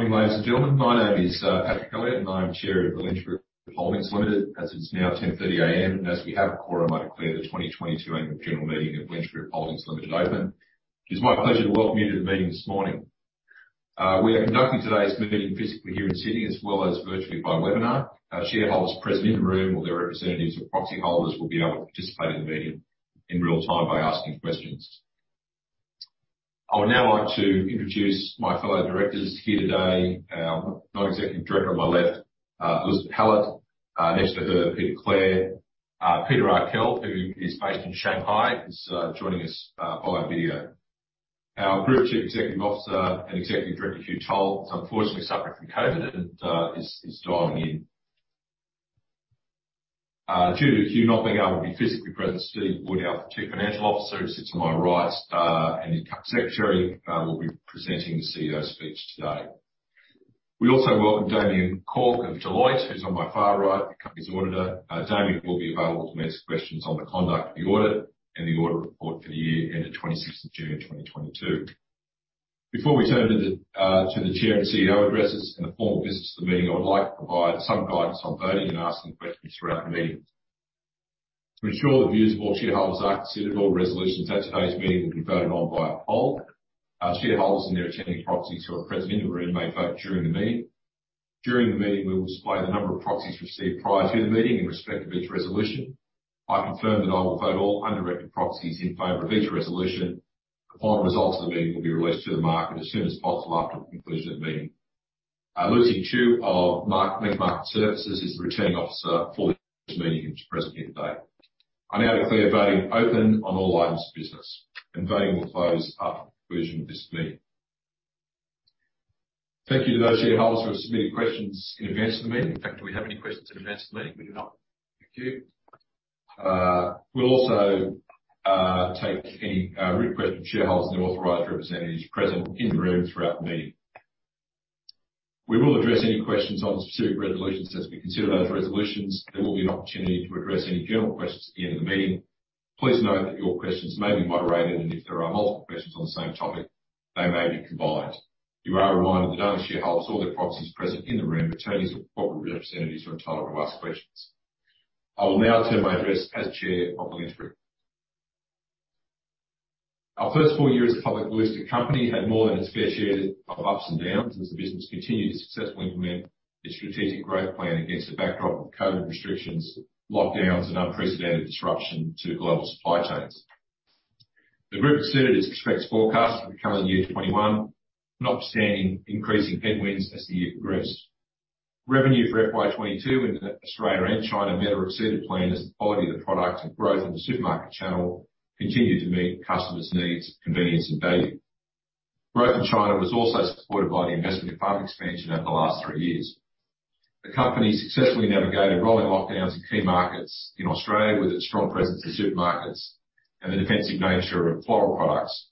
Good morning, ladies and gentlemen. My name is Patrick Elliott, I am Chair of the Lynch Group Holdings Limited. As it's now 10:30 A.M., as we have a quorum, I declare the 2022 annual general meeting of Lynch Group Holdings Limited open. It's my pleasure to welcome you to the meeting this morning. We are conducting today's meeting physically here in Sydney as well as virtually by webinar. Our shareholders present in the room or their representatives or proxy holders will be able to participate in the meeting in real time by asking questions. I would now like to introduce my fellow directors here today. Our non-executive director on my left, Elizabeth Hallett. Next to her, Peter Clare. Peter Arkell, who is based in Shanghai, is joining us via video. Our Group Chief Executive Officer and Executive Director, Hugh Toll, is unfortunately suffering from COVID and is dialing in. Due to Hugh not being able `to be physically present. Steve Wood, our Chief Financial Officer, who sits on my right, and Company Secretary, will be presenting the CEO's speech today. We also welcome Damien Cork of Deloitte, who's on my far right, he's the auditor. Damien will be available to answer questions on the conduct of the audit and the audit report for the year ending 26th of June, 2022. Before we turn to the Chair and CEO addresses and the formal business of the meeting, I would like to provide some guidance on voting and asking questions throughout the meeting. To ensure the views of all shareholders are considered, all resolutions at today's meeting will be voted on via poll. Our shareholders and their attending proxies who are present in the room may vote during the meeting. During the meeting, we will display the number of proxies received prior to the meeting in respect of each resolution. I confirm that I will vote all undirected proxies in favor of each resolution. The final results of the meeting will be released to the market as soon as possible after the conclusion of the meeting. Lucy Chiu of Link Market Services is the Returning Officer for this meeting and is present here today. I now declare voting open on all items of business, and voting will close after the conclusion of this meeting. Thank you to those shareholders who have submitted questions in advance of the meeting. In fact, do we have any questions in advance of the meeting? We do not. Thank you. We'll also take any written questions from shareholders and authorized representatives present in the room throughout the meeting. We will address any questions on specific resolutions as we consider those resolutions. There will be an opportunity to address any general questions at the end of the meeting. Please note that your questions may be moderated, and if there are multiple questions on the same topic, they may be combined. You are reminded that only shareholders or their proxies present in the room with attorneys or corporate representatives are entitled to ask questions. I will now turn to my address as Chair of Lynch Group. Our first full year as a public listed company had more than its fair share of ups and downs as the business continued to successfully implement its strategic growth plan against the backdrop of COVID restrictions, lockdowns, and unprecedented disruption to global supply chains. The group exceeded its expects forecast for the current year 2021, notwithstanding increasing headwinds as the year progressed. Revenue for FY 2022 in Australia and China met or exceeded plan as the quality of the products and growth in the supermarket channel continued to meet customers' needs, convenience and value. Growth in China was also supported by the investment in farm expansion over the last three years. The company successfully navigated rolling lockdowns in key markets in Australia with its strong presence in supermarkets and the defensive nature of floral products,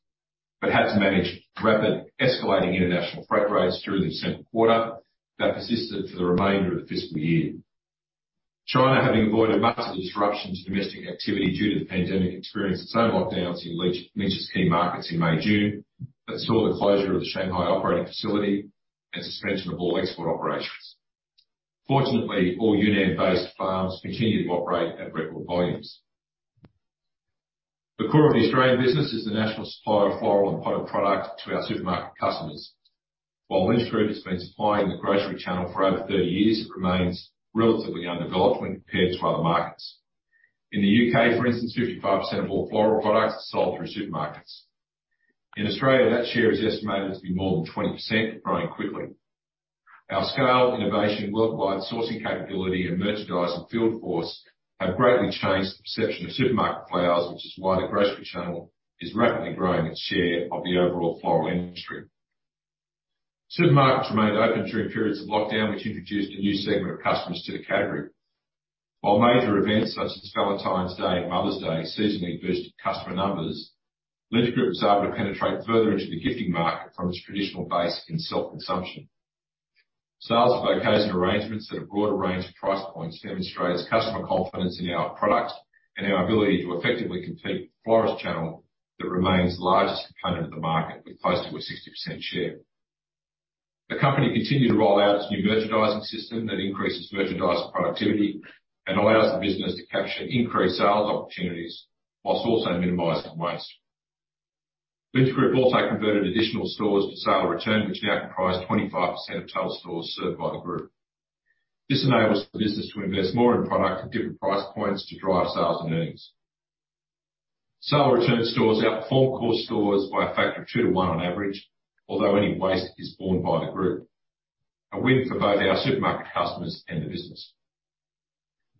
but had to manage rapid escalating international freight rates through the second quarter that persisted for the remainder of the fiscal year. China, having avoided much of the disruption to domestic activity due to the pandemic, experienced its own lockdowns in Lynch's key markets in May, June that saw the closure of the Shanghai operating facility and suspension of all export operations. Fortunately, all Yunnan-based farms continued to operate at record volumes. The core of the Australian business is the national supplier of floral and potted product to our supermarket customers. While Lynch Group has been supplying the grocery channel for over 30 years, it remains relatively underdeveloped when compared to other markets. In the U.K., for instance, 55% of all floral products are sold through supermarkets. In Australia, that share is estimated to be more than 20%, growing quickly. Our scale, innovation, worldwide sourcing capability and merchandising field force have greatly changed the perception of supermarket flowers, which is why the grocery channel is rapidly growing its share of the overall floral industry. Supermarkets remained open during periods of lockdown, which introduced a new segment of customers to the category. While major events such as Valentine's Day and Mother's Day seasonally boosted customer numbers, Lynch Group was able to penetrate further into the gifting market from its traditional base in self-consumption. Sales of occasion arrangements at a broader range of price points demonstrates customer confidence in our products and our ability to effectively compete with the florist channel that remains the largest component of the market with close to a 60% share. The company continued to roll out its new merchandising system that increases merchandise productivity and allows the business to capture increased sales opportunities whilst also minimizing waste. Lynch Group also converted additional stores to sale or return, which now comprise 25% of total stores served by the group. This enables the business to invest more in product at different price points to drive sales and earnings. Sale of return stores outperform core stores by a factor of two to one on average, although any waste is borne by the group, a win for both our supermarket customers and the business.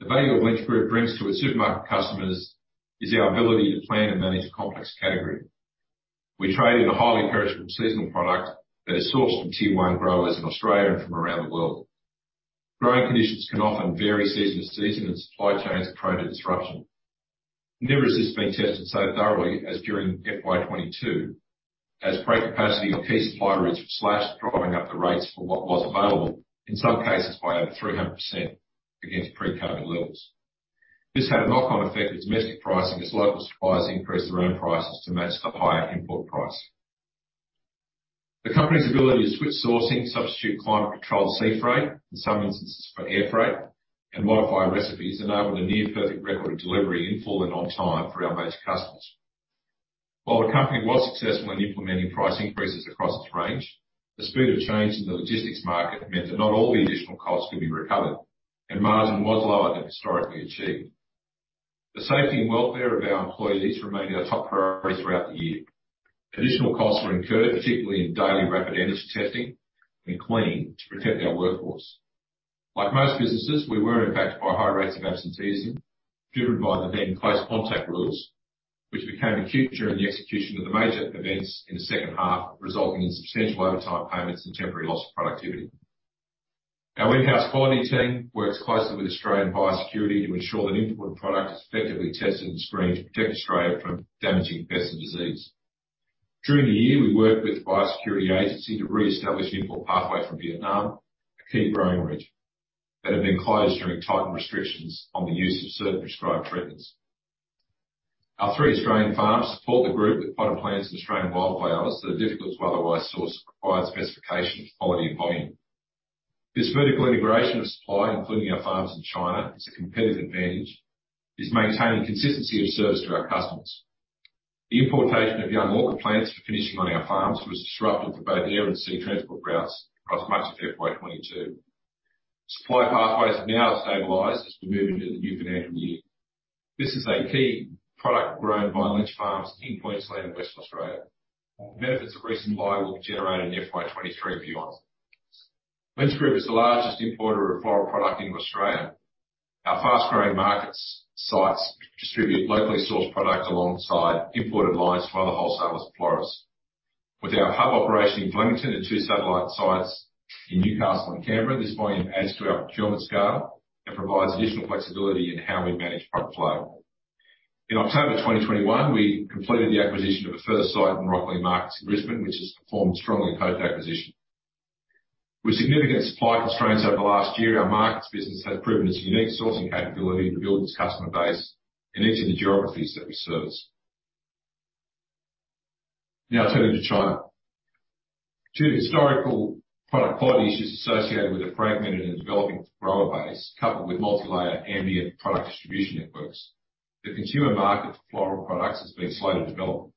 The value that Lynch Group brings to its supermarket customers is our ability to plan and manage a complex category. We trade in a highly perishable seasonal product that is sourced from tier one growers in Australia and from around the world. Growing conditions can often vary season to season, and supply chains are prone to disruption. Never has this been tested so thoroughly as during FY 2022, as freight capacity of key supplier routes were slashed, driving up the rates for what was available, in some cases by over 300% against pre-COVID levels. This had a knock-on effect with domestic pricing as local suppliers increased their own prices to match the higher import price. The company's ability to switch sourcing, substitute climate-controlled sea freight, in some instances for air freight, and modify recipes enabled a near-perfect record of delivery in full and on time for our major customers. While the company was successful in implementing price increases across its range, the speed of change in the logistics market meant that not all the additional costs could be recovered, and margin was lower than historically achieved. The safety and welfare of our employees remained our top priority throughout the year. Additional costs were incurred, particularly in daily rapid antigen testing and cleaning to protect our workforce. Like most businesses, we were impacted by high rates of absenteeism driven by the then close contact rules, which became acute during the execution of the major events in the second half, resulting in substantial overtime payments and temporary loss of productivity. Our in-house quality team works closely with Australian Biosecurity to ensure that imported product is effectively tested and screened to protect Australia from damaging pests and disease. During the year, we worked with Biosecurity Agency to reestablish import pathway from Vietnam, a key growing region that had been closed during tightened restrictions on the use of certain prescribed treatments. Our three Australian farms support the group with potted plants and Australian wildlife flowers that are difficult to otherwise source, require specification of quality and volume. This vertical integration of supply, including our farms in China, is a competitive advantage, is maintaining consistency of service to our customers. The importation of young orchid plants for finishing on our farms was disrupted for both air and sea transport routes across much of FY 2022. Supply pathways have now stabilized as we move into the new financial year. This is a key product grown by Lynch Farms in Queensland and Western Australia. Benefits of recent buy will be generated in FY 2023 for you. Lynch Group is the largest importer of floral product into Australia. Our fast-growing markets sites distribute locally sourced product alongside imported lines from other wholesalers and florists. With our hub operation in Flemington and two satellite sites in Newcastle and Canberra, this volume adds to our fulfillment scale and provides additional flexibility in how we manage product flow. In October 2021, we completed the acquisition of a first site in Rocklea Markets in Brisbane, which has performed strongly post-acquisition. With significant supply constraints over the last year, our markets business has proven its unique sourcing capability to build its customer base in each of the geographies that we service. Turning to China. Two historical product quality issues associated with a fragmented and developing grower base, coupled with multilayer ambient product distribution networks, the consumer market for floral products has been slow to develop.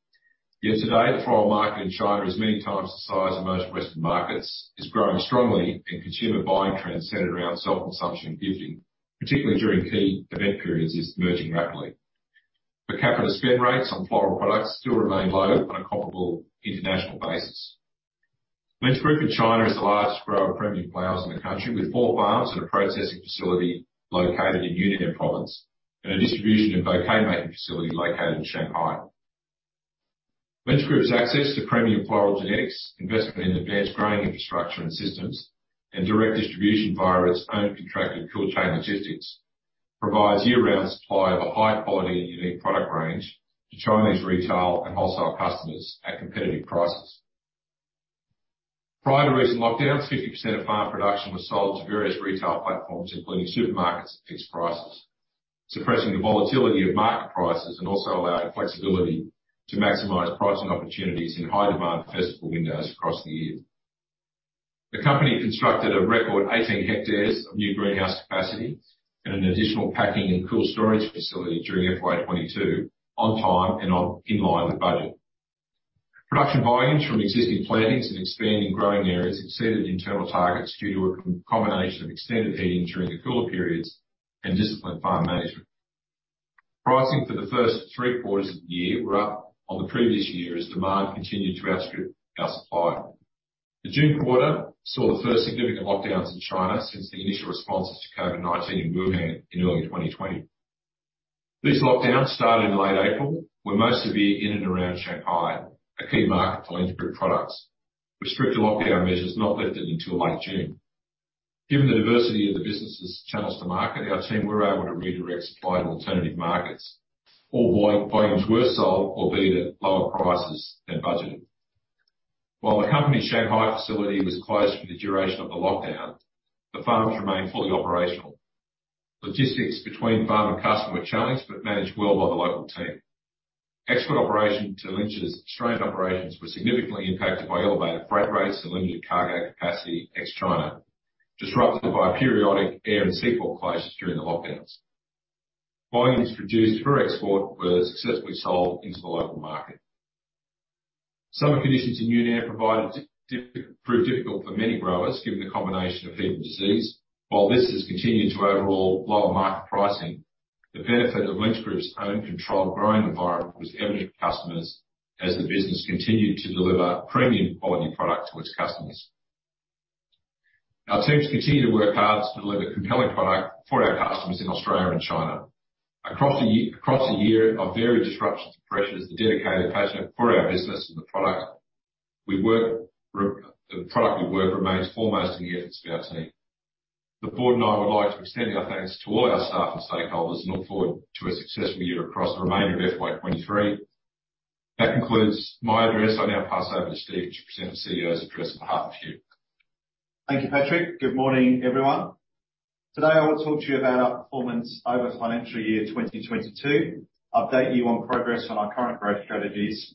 Today, the floral market in China is many times the size of most Western markets, is growing strongly, and consumer buying trends centered around self-consumption and gifting, particularly during key event periods, is emerging rapidly. Per capita spend rates on floral products still remain low on a comparable international basis. Lynch Group in China is the largest grower of premium flowers in the country, with four farms and a processing facility located in Yunnan Province, and a distribution and bouquet making facility located in Shanghai. Lynch Group's access to premium floral genetics, investment in advanced growing infrastructure and systems, and direct distribution via its own contracted cold chain logistics, provides year-round supply of a high quality and unique product range to Chinese retail and wholesale customers at competitive prices. Prior to recent lockdowns, 50% of farm production was sold to various retail platforms, including supermarkets at fixed prices, suppressing the volatility of market prices and also allowing flexibility to maximize pricing opportunities in high demand festival windows across the year. The company constructed a record 18 hectares of new greenhouse capacity and an additional packing and cool storage facility during FY 2022 on time and in line with budget. Production volumes from existing plantings and expanding growing areas exceeded internal targets due to a combination of extended heating during the cooler periods and disciplined farm management. Pricing for the first three quarters of the year were up on the previous year as demand continued to outstrip our supply. The June quarter saw the first significant lockdowns in China since the initial responses to COVID-19 in Wuhan in early 2020. These lockdowns started in late April, were most severe in and around Shanghai, a key market for Lynch Group products. Restricted lockdown measures not lifted until late June. Given the diversity of the business' channels to market, our team were able to redirect supply to alternative markets. All volumes were sold, albeit at lower prices than budgeted. While the company's Shanghai facility was closed for the duration of the lockdown, the farms remained fully operational. Logistics between farm and customer challenged, but managed well by the local team. Export operation to Lynch's Australian operations were significantly impacted by elevated freight rates and limited cargo capacity ex-China, disrupted by periodic air and sea port closures during the lockdowns. Volumes produced for export were successfully sold into the local market. Summer conditions in Yunnan proved difficult for many growers, given the combination of heat and disease. While this has continued to overall lower market pricing, the benefit of Lynch Group's own controlled growing environment was evident to customers as the business continued to deliver premium quality product to its customers. Our teams continue to work hard to deliver compelling product for our customers in Australia and China. Across the year of varied disruptions and pressures, the dedicated passion for our business and the product we work remains foremost in the efforts of our team. The board and I would like to extend our thanks to all our staff and stakeholders and look forward to a successful year across the remainder of FY 2023. That concludes my address. I now pass over to Steve to present the CEO's address on behalf of Hugh. Thank you, Patrick. Good morning, everyone. Today I want to talk to you about our performance over financial year 2022, update you on progress on our current growth strategies,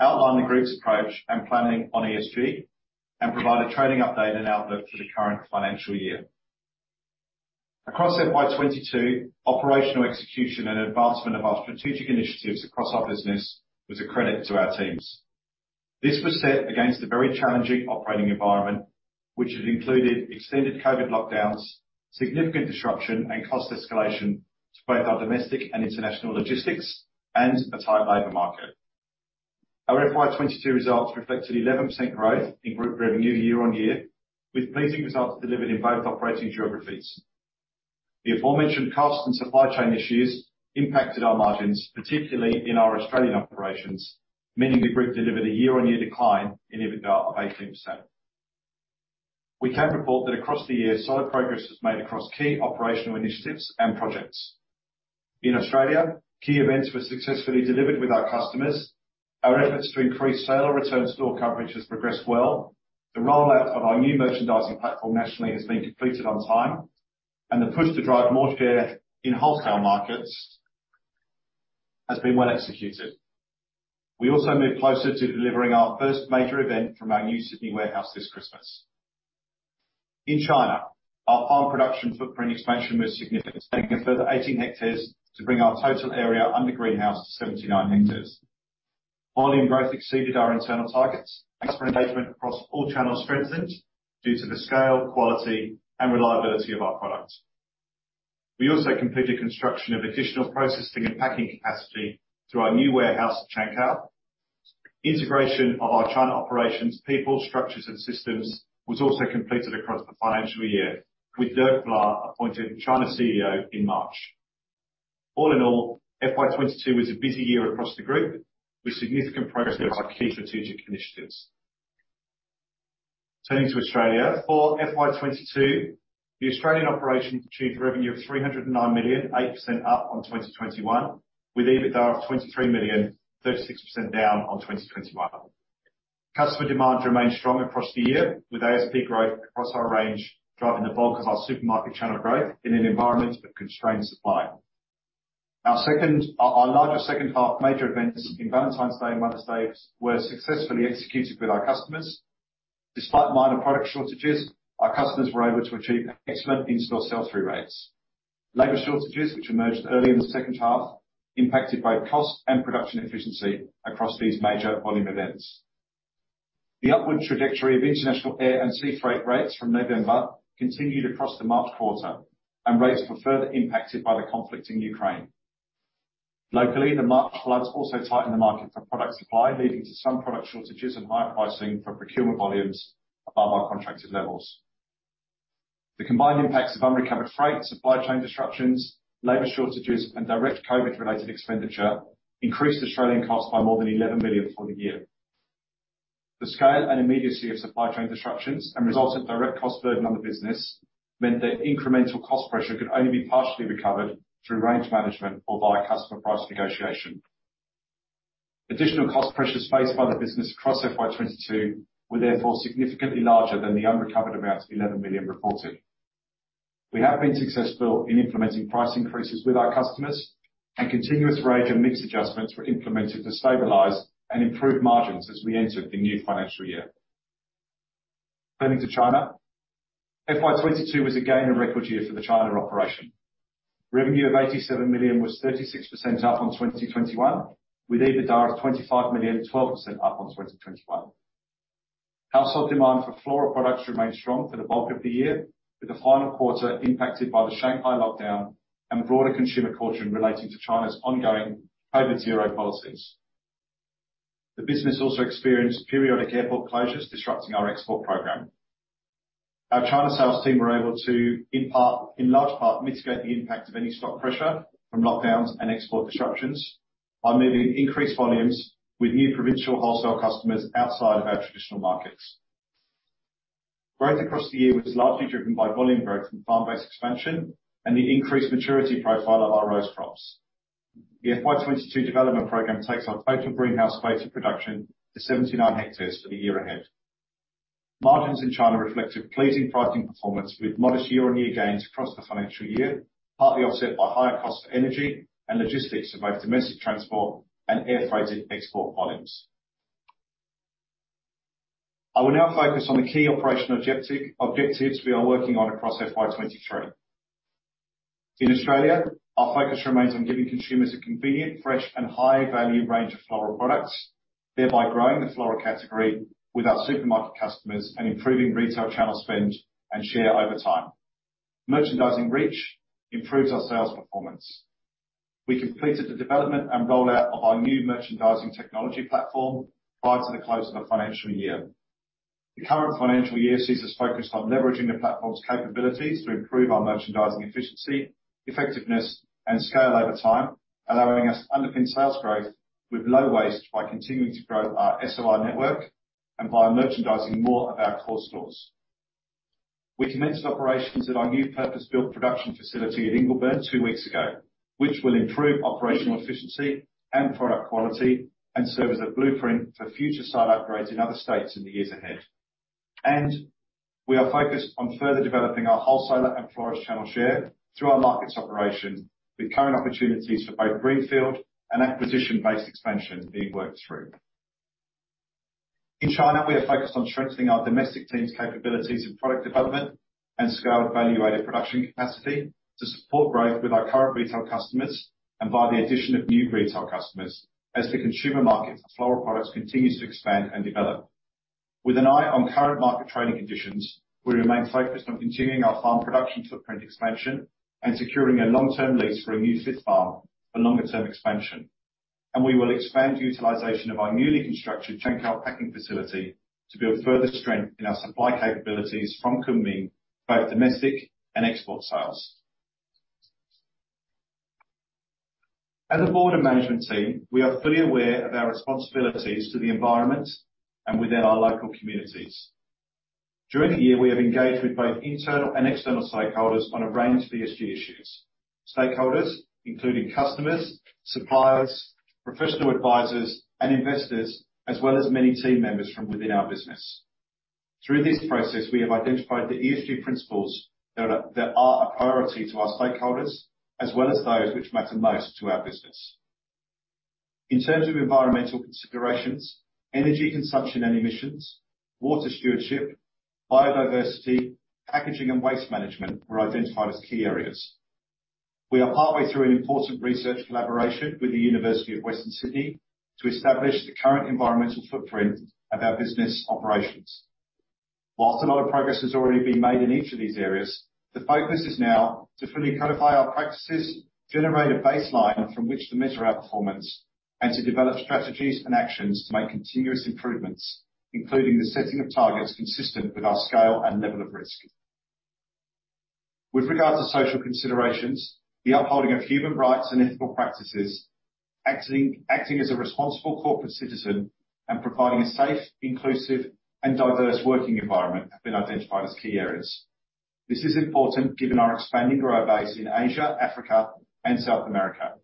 outline the Group's approach and planning on ESG. Provide a trading update and outlook for the current financial year. Across FY 2022, operational execution and advancement of our strategic initiatives across our business was a credit to our teams. This was set against a very challenging operating environment, which has included extended COVID lockdowns, significant disruption, and cost escalation to both our domestic and international logistics and a tight labor market. Our FY 2022 results reflected 11% growth in Group revenue year-on-year, with pleasing results delivered in both operating geographies. The aforementioned cost and supply chain issues impacted our margins, particularly in our Australian operations, meaning the Group delivered a year-on-year decline in EBITDA of 18%. We can report that across the year, solid progress was made across key operational initiatives and projects. In Australia, key events were successfully delivered with our customers. Our efforts to increase sale or return store coverage has progressed well. The rollout of our new merchandising platform nationally has been completed on time, and the push to drive more share in wholesale markets has been well executed. We also move closer to delivering our first major event from our new Sydney warehouse this Christmas. In China, our farm production footprint expansion was significant, taking a further 18 hectares to bring our total area under greenhouse to 79 hectares. Volume growth exceeded our internal targets. Customer engagement across all channels strengthened due to the scale, quality, and reliability of our products. We also completed construction of additional processing and packing capacity through our new warehouse in Chengkou. Integration of our China operations, people, structures, and systems was also completed across the financial year, with Dirk Vlaar appointed China CEO in March. All in all, FY 2022 was a busy year across the Group with significant progress in our key strategic initiatives. Turning to Australia, for FY 2022, the Australian operation achieved revenue of $309 million, 8% up on 2021, with EBITDA of $23 million, 36% down on 2021. Customer demand remained strong across the year, with ASP growth across our range, driving the bulk of our supermarket channel growth in an environment of constrained supply. Our larger second half major events in Valentine's Day and Mother's Day were successfully executed with our customers. Despite minor product shortages, our customers were able to achieve excellent in-store sell-through rates. Labor shortages, which emerged early in the second half, impacted both cost and production efficiency across these major volume events. The upward trajectory of international air and sea freight rates from November continued across the March quarter, rates were further impacted by the conflict in Ukraine. Locally, the March floods also tightened the market for product supply, leading to some product shortages and higher pricing for procurement volumes above our contracted levels. The combined impacts of unrecovered freight, supply chain disruptions, labor shortages, and direct COVID-related expenditure increased Australian costs by more than $11 million for the year. The scale and immediacy of supply chain disruptions and resultant direct cost burden on the business meant that incremental cost pressure could only be partially recovered through range management or via customer price negotiation. Additional cost pressures faced by the business across FY 2022 were therefore significantly larger than the unrecovered amount $11 million reported. We have been successful in implementing price increases with our customers, and continuous range and mix adjustments were implemented to stabilize and improve margins as we entered the new financial year. Turning to China, FY 2022 was again a record year for the China operation. Revenue of $87 million was 36% up on 2021, with EBITDA of $25 million, 12% up on 2021. Household demand for floral products remained strong for the bulk of the year, with the final quarter impacted by the Shanghai lockdown and the broader consumer caution relating to China's ongoing zero-COVID policies. The business also experienced periodic airport closures, disrupting our export program. Our China sales team were able to, in part, in large part, mitigate the impact of any stock pressure from lockdowns and export disruptions by moving increased volumes with new provincial wholesale customers outside of our traditional markets. Growth across the year was largely driven by volume growth and farm-based expansion and the increased maturity profile of our rose crops. The FY 2022 development program takes our total greenhouse space in production to 79 hectares for the year ahead. Margins in China reflected pleasing pricing performance with modest year-on-year gains across the financial year, partly offset by higher cost of energy and logistics of both domestic transport and air freighted export volumes. I will now focus on the key operational objectives we are working on across FY 2023. In Australia, our focus remains on giving consumers a convenient, fresh, and high-value range of floral products, thereby growing the floral category with our supermarket customers and improving retail channel spend and share over time. Merchandising reach improves our sales performance. We completed the development and rollout of our new merchandising technology platform prior to the close of the financial year. The current financial year sees us focused on leveraging the platform's capabilities to improve our merchandising efficiency, effectiveness, and scale over time, allowing us to underpin sales growth with low waste by continuing to grow our SOR network and by merchandising more of our core stores. We commenced operations at our new purpose-built production facility in Ingleburn two weeks ago, which will improve operational efficiency and product quality, and serve as a blueprint for future site upgrades in other states in the years ahead. We are focused on further developing our wholesaler and florist channel share through our markets operation, with current opportunities for both greenfield and acquisition-based expansion being worked through. In China, we are focused on strengthening our domestic team's capabilities in product development and scale evaluated production capacity to support growth with our current retail customers and via the addition of new retail customers, as the consumer market for floral products continues to expand and develop. With an eye on current market trading conditions, we remain focused on continuing our farm production footprint expansion and securing a long-term lease for a new fifth farm for longer-term expansion. We will expand utilization of our newly constructed Chengkou packing facility to build further strength in our supply capabilities from Kunming, both domestic and export sales. As a board and management team, we are fully aware of our responsibilities to the environment and within our local communities. During the year, we have engaged with both internal and external stakeholders on a range of ESG issues. Stakeholders, including customers, suppliers, professional advisors, and investors, as well as many team members from within our business. Through this process, we have identified the ESG principles that are a priority to our stakeholders, as well as those which matter most to our business. In terms of environmental considerations, energy consumption and emissions, water stewardship, biodiversity, packaging, and waste management were identified as key areas. We are partly through an important research collaboration with Western Sydney University to establish the current environmental footprint of our business operations. Whilst a lot of progress has already been made in each of these areas, the focus is now to fully codify our practices, generate a baseline from which to measure our performance, and to develop strategies and actions to make continuous improvements, including the setting of targets consistent with our scale and level of risk. With regard to social considerations, the upholding of human rights and ethical practices, acting as a responsible corporate citizen and providing a safe, inclusive and diverse working environment have been identified as key areas. This is important given our expanding grower base in Asia, Africa, and South America.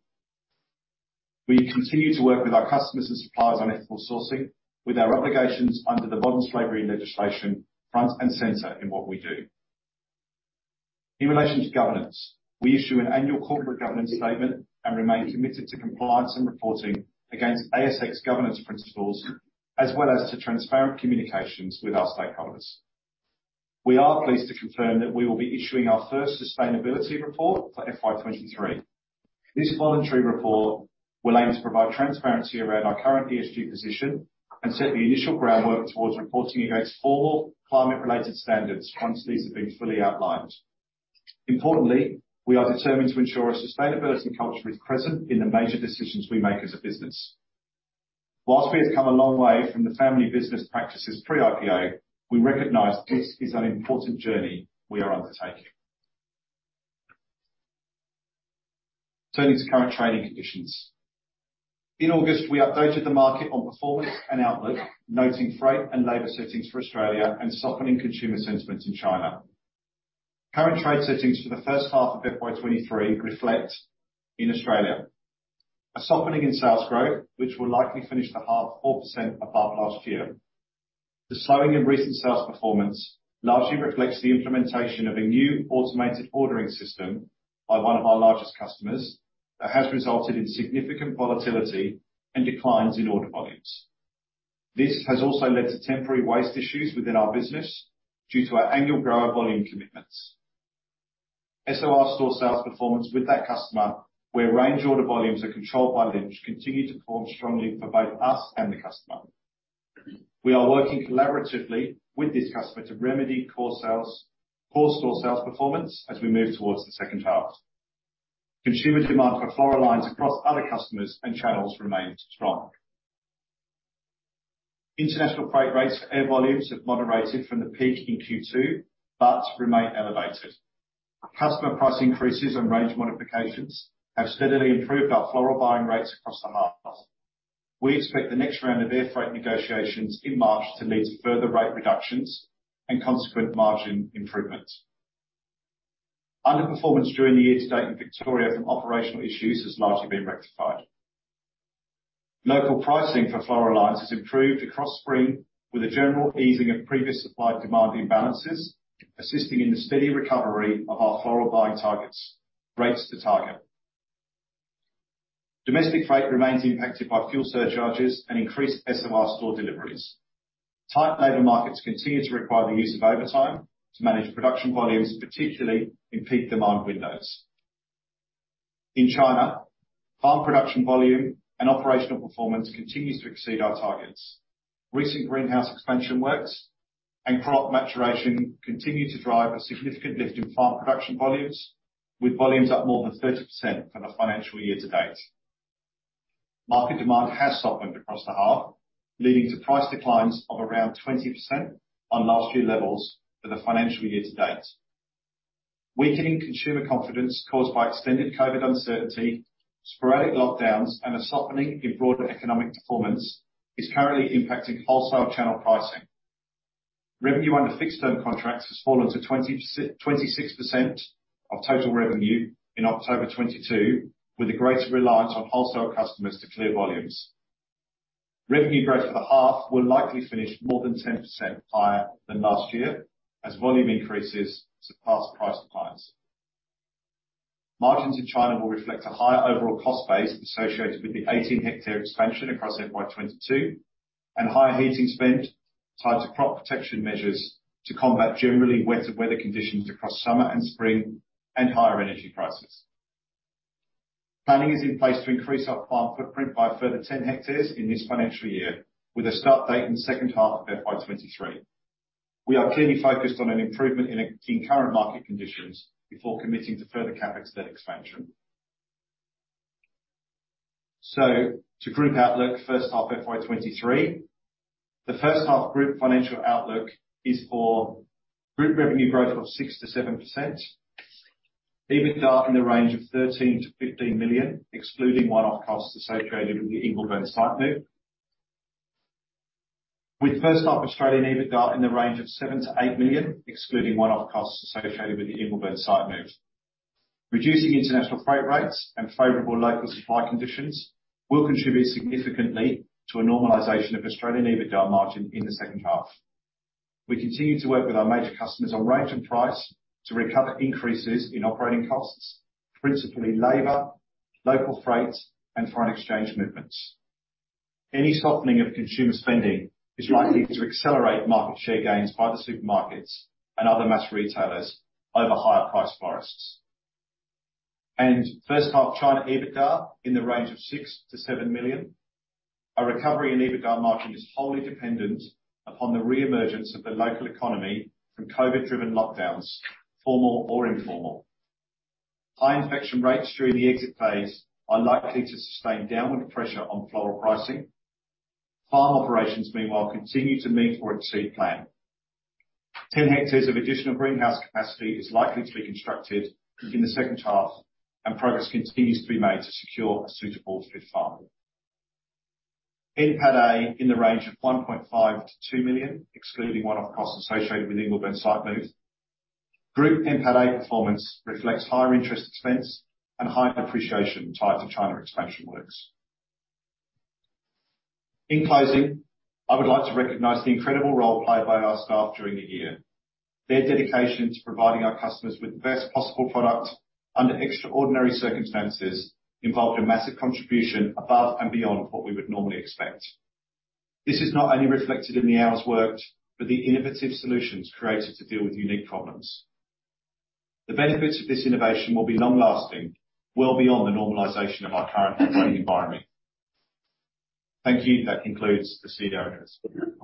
We continue to work with our customers and suppliers on ethical sourcing with our obligations under the Modern Slavery legislation front and center in what we do. In relation to governance, we issue an annual corporate governance statement and remain committed to compliance and reporting against ASX governance principles, as well as to transparent communications with our stakeholders. We are pleased to confirm that we will be issuing our first sustainability report for FY 2023. This voluntary report will aim to provide transparency around our current ESG position and set the initial groundwork towards reporting against formal climate related standards once these have been fully outlined. Importantly, we are determined to ensure a sustainability culture is present in the major decisions we make as a business. Whilst we have come a long way from the family business practices pre-IPO, we recognize this is an important journey we are undertaking. Turning to current trading conditions. In August, we updated the market on performance and outlook, noting freight and labor settings for Australia and softening consumer sentiment in China. Current trade settings for the first half of FY 2023 reflect in Australia a softening in sales growth, which will likely finish the half 4% above last year. The slowing in recent sales performance largely reflects the implementation of a new automated ordering system by one of our largest customers that has resulted in significant volatility and declines in order volumes. This has also led to temporary waste issues within our business due to our annual GAR volume commitment. SOR store sales performance with that customer, where range order volumes are controlled by Lynch, continue to perform strongly for both us and the customer. We are working collaboratively with this customer to remedy poor store sales performance as we move towards the second half. Consumer demand for floral lines across other customers and channels remains strong. International freight rates for air volumes have moderated from the peak in Q2 but remain elevated. Customer price increases and range modifications have steadily improved our floral buying rates across the half. We expect the next round of air freight negotiations in March to lead to further rate reductions and consequent margin improvements. Underperformance during the year to date in Victoria from operational issues has largely been rectified. Local pricing for floral lines has improved across spring with a general easing of previous supply-demand imbalances, assisting in the steady recovery of our floral buying rates to target. Domestic freight remains impacted by fuel surcharges and increased SOR store deliveries. Tight labor markets continue to require the use of overtime to manage production volumes, particularly in peak demand windows. In China, farm production volume and operational performance continues to exceed our targets. Recent greenhouse expansion works and crop maturation continue to drive a significant lift in farm production volumes, with volumes up more than 30% for the financial year to date. Market demand has softened across the half, leading to price declines of around 20% on last year levels for the financial year to date. Weakening consumer confidence caused by extended COVID uncertainty, sporadic lockdowns, and a softening in broader economic performance is currently impacting wholesale channel pricing. Revenue under fixed-term contracts has fallen to 26% of total revenue in October 2022, with a greater reliance on wholesale customers to clear volumes. Revenue growth for the half will likely finish more than 10% higher than last year as volume increases surpass price declines. Margins in China will reflect a higher overall cost base associated with the 18 hectare expansion across FY 2022 and higher heating spend tied to crop protection measures to combat generally wetter weather conditions across summer and spring and higher energy prices. Planning is in place to increase our farm footprint by a further 10 hectares in this financial year with a start date in the second half of FY 2023. We are clearly focused on an improvement in current market conditions before committing to further CapEx expansion. To group outlook first half FY 2023. The first half group financial outlook is for group revenue growth of 6%-7%. EBITDA in the range of $13 million-$15 million, excluding one-off costs associated with the Ingleburn site move. With first half Australian EBITDA in the range of $7 million-$8 million, excluding one-off costs associated with the Ingleburn site move. Reducing international freight rates and favorable local supply conditions will contribute significantly to a normalization of Australian EBITDA margin in the second half. We continue to work with our major customers on range and price to recover increases in operating costs, principally labor, local freight, and foreign exchange movements. Any softening of consumer spending is likely to accelerate market share gains by the supermarkets and other mass retailers over higher-priced florists. First half China EBITDA in the range of $6 million-$7 million. Our recovery in EBITDA margin is wholly dependent upon the re-emergence of the local economy from COVID-driven lockdowns, formal or informal. High infection rates during the exit phase are likely to sustain downward pressure on floral pricing. Farm operations, meanwhile, continue to meet or exceed plan. 10 hectares of additional greenhouse capacity is likely to be constructed in the second half, and progress continues to be made to secure a suitable fifth farm. NPATA in the range of $1.5 million-$2 million, excluding one-off costs associated with Ingleburn site move. Group NPATA performance reflects higher interest expense and higher depreciation tied to China expansion works. In closing, I would like to recognize the incredible role played by our staff during the year. Their dedication to providing our customers with the best possible product under extraordinary circumstances involved a massive contribution above and beyond what we would normally expect. This is not only reflected in the hours worked, but the innovative solutions created to deal with unique problems. The benefits of this innovation will be long-lasting, well beyond the normalization of our current operating environment. Thank you. That concludes the CEO address for the year.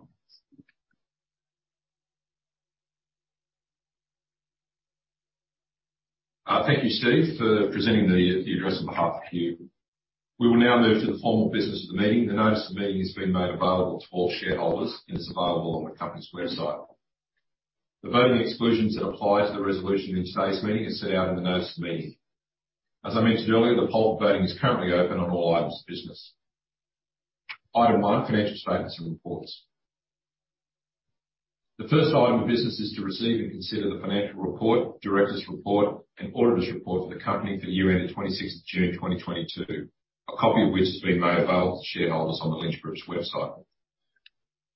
Thank you, Steve, for presenting the address on behalf of Hugh. We will now move to the formal business of the meeting. The notice of the meeting has been made available to all shareholders and is available on the company's website. The voting exclusions that apply to the resolution in today's meeting is set out in the notice of the meeting. As I mentioned earlier, the poll voting is currently open on all items of business. Item 1, financial statements and reports. The first item of business is to receive and consider the financial report, directors' report, and auditors' report for the company for the year ended 26th of June 2022. A copy of which has been made available to shareholders on the Lynch Group's website.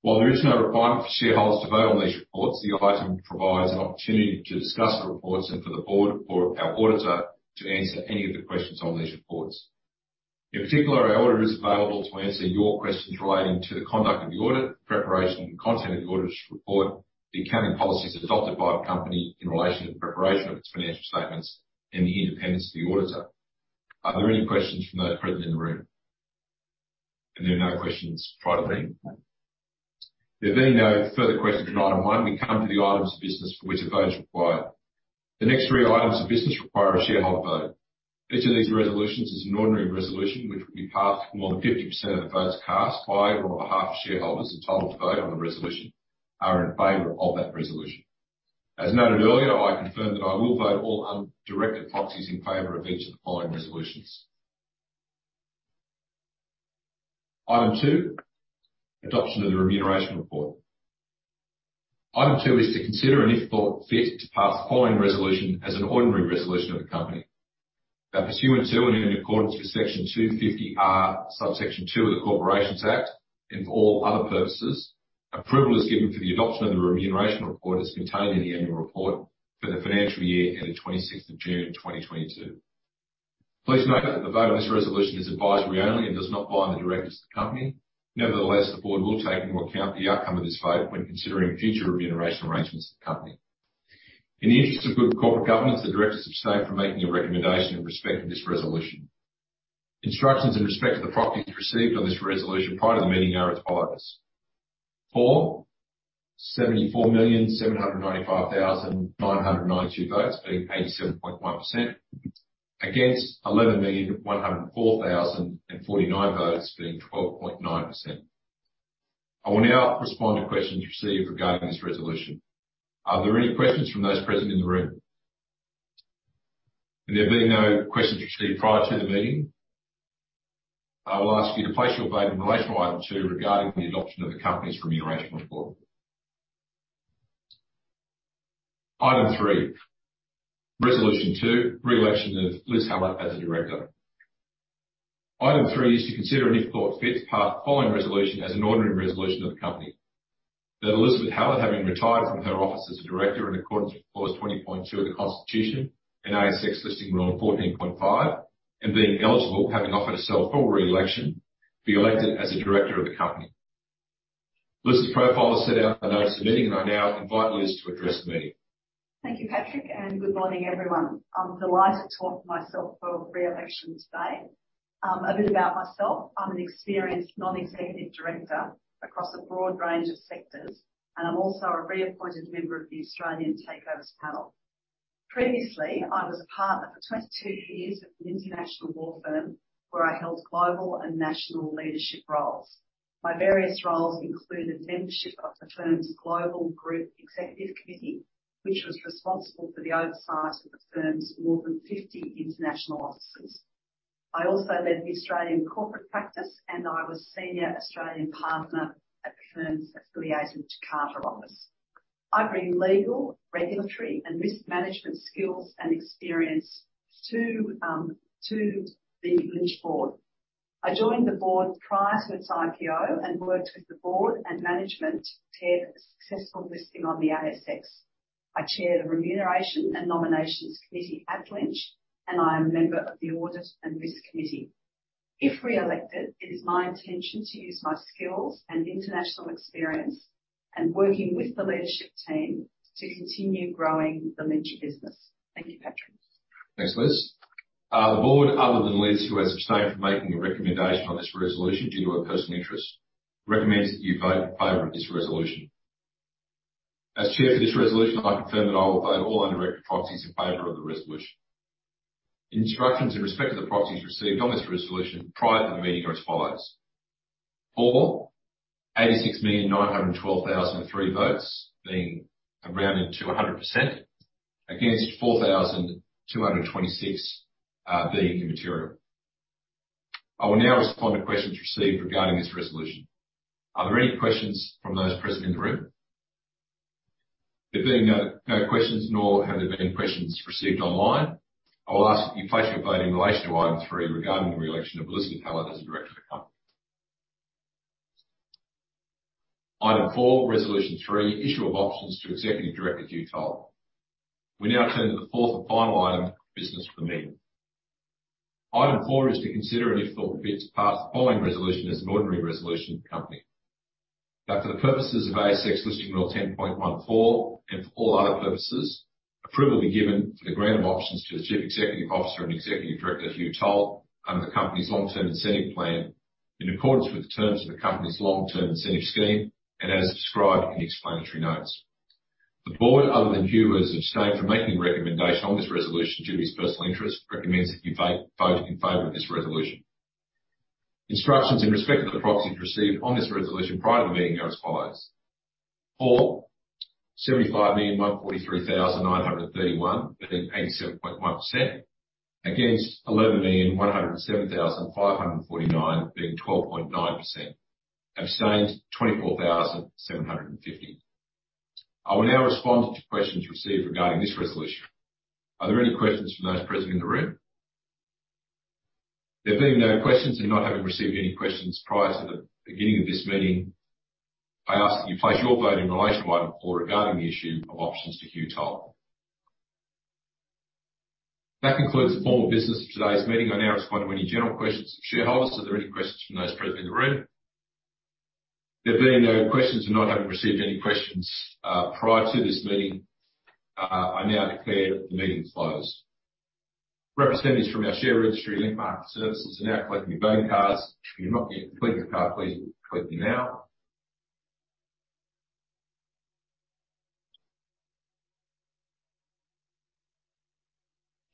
While there is no requirement for shareholders to vote on these reports, the item provides an opportunity to discuss the reports and for the board or our auditor to answer any of the questions on these reports. In particular, our auditor is available to answer your questions relating to the conduct of the audit, preparation and content of the auditor's report, the accounting policies adopted by the company in relation to the preparation of its financial statements, and the independence of the auditor. Are there any questions from those present in the room? There are no questions prior to the meeting. There being no further questions on item one, we come to the items of business for which a vote is required. The next three items of business require a shareholder vote. Each of these resolutions is an ordinary resolution which will be passed if more than 50% of the votes cast by or on behalf of shareholders entitled to vote on the resolution are in favor of that resolution. As noted earlier, I confirm that I will vote all un-directed proxies in favor of each of the following resolutions. Item 2, adoption of the remuneration report. Item 2 is to consider and, if thought fit, to pass the following resolution as an ordinary resolution of the company. That pursuant to and in accordance with Section 250R, Subsection 2 of the Corporations Act, and for all other purposes, approval is given for the adoption of the remuneration report as contained in the annual report for the financial year ended 26th of June 2022. Please note that the vote on this resolution is advisory only and does not bind the directors of the company. Nevertheless, the board will take into account the outcome of this vote when considering future remuneration arrangements of the company. In the interest of good corporate governance, the directors abstain from making a recommendation in respect of this resolution. Instructions in respect of the proxies received on this resolution prior to the meeting are as follows. For 74,795,992 votes, being 87.1%. Against 11,104,049 votes, being 12.9%. I will now respond to questions received regarding this resolution. Are there any questions from those present in the room? There being no questions received prior to the meeting, I will ask you to place your vote in relation to Item 2 regarding the adoption of the company's remuneration report. Item 3, Resolution 2: Reelection of Liz Hallett as a director. Item 3 is to consider, and if thought fit, pass the following resolution as an ordinary resolution of the company. That Elizabeth Hallett, having retired from her office as a director in accordance with clause 20.2 of the Constitution and ASX Listing Rule 14.5, and being eligible, having offered herself for reelection, be elected as a director of the company. Liz's profile is set out in the notice of the meeting, and I now invite Liz to address the meeting. Thank you, Patrick. Good morning, everyone. I'm delighted to talk myself for reelection today. A bit about myself. I'm an experienced non-executive director across a broad range of sectors, and I'm also a reappointed member of the Australian Takeovers Panel. Previously, I was a partner for 22 years at an international law firm where I held global and national leadership roles. My various roles included membership of the firm's global group executive committee, which was responsible for the oversight of the firm's more than 50 international offices. I also led the Australian corporate practice, and I was senior Australian partner at the firm's affiliated Jakarta office. I bring legal, regulatory, and risk management skills and experience to the Lynch board. I joined the board prior to its IPO and worked with the board and management to aid a successful listing on the ASX. I chair the Remuneration and Nomination Committee at Lynch, and I am a member of the Audit and Risk Committee. If reelected, it is my intention to use my skills and international experience and working with the leadership team to continue growing the Lynch business. Thank you, Patrick. Thanks, Liz. The board, other than Liz, who has abstained from making a recommendation on this resolution due to her personal interest, recommends that you vote in favor of this resolution. As Chair for this resolution, I confirm that I will vote all under direct proxies in favor of the resolution. Instructions in respect to the proxies received on this resolution prior to the meeting are as follows: For 86,912,003 votes, being rounded to 100%. Against 4,226, being immaterial. I will now respond to questions received regarding this resolution. Are there any questions from those present in the room? There being no questions, nor have there been questions received online, I will ask that you place your vote in relation to item 3 regarding the reelection of Elizabeth Hallett as a director of the company. Item 4, Resolution 3: Issue of options to Executive Director Hugh Toll. We now turn to the fourth and final item of business for the meeting. Item 4 is to consider, and if the board fits, pass the following resolution as an ordinary resolution of the company. For the purposes of ASX Listing Rule 10.14, and for all other purposes, approval be given for the grant of options to the Chief Executive Officer and Executive Director, Hugh Toll, under the company's Long-Term Incentive Plan in accordance with the terms of the company's long-term incentive scheme and as described in the explanatory notes. The board, other than Hugh, has abstained from making a recommendation on this resolution due to his personal interest, recommends that you vote in favor of this resolution. Instructions in respect to the proxies received on this resolution prior to the meeting are as follows: For 75,143,931, being 87.1%. Against 11,107,549, being 12.9%. Abstaineds, 24,750. I will now respond to questions received regarding this resolution. Are there any questions from those present in the room? There being no questions, and not having received any questions prior to the beginning of this meeting, I ask that you place your vote in relation to item 4 regarding the issue of options to Hugh Toll. That concludes the formal business of today's meeting. I now respond to any general questions from shareholders. Are there any questions from those present in the room? There being no questions and not having received any questions prior to this meeting, I now declare the meeting closed. Representatives from our share registry, Link Market Services, are now collecting voting cards. If you've not yet completed your card, please complete it now.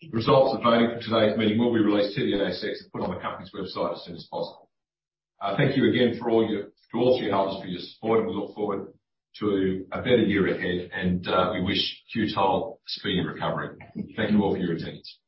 The results of voting for today's meeting will be released to the ASX and put on the company's website as soon as possible. Thank you again to all shareholders for your support, and we look forward to a better year ahead, and we wish Hugh Toll a speedy recovery. Thank you all for your attendance.